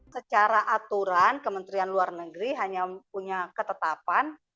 secara aturan kementerian luar negeri hanya punya ketetapan